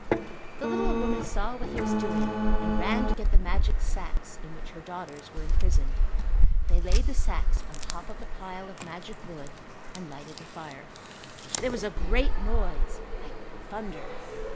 The little old woman saw what he was doing and ran to get the magic sacks in which her daughters were imprisoned. They laid the sacks on top of the pile of magic wood and lighted the fire. There was a great noise like thunder.